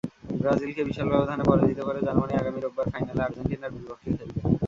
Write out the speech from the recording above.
ব্রাজিলকে বিশাল ব্যবধানে পরাজিত করা জার্মানি আগামী রোববার ফাইনালে আর্জেন্টিনার বিপক্ষে খেলবে।